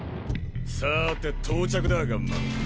さて到着だガンマン。